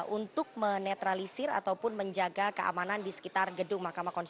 untuk menetralisir ataupun menjaga keamanan di sekitar gedung